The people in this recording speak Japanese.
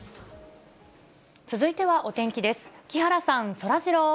続いてはお天気です。